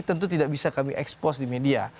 tentu tidak bisa kami expose di media